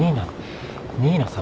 新名さん